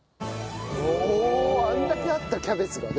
おおあんだけあったキャベツがね。